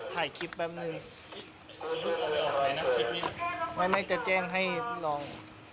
ถ่ายคลิปแป๊บหนึ่ง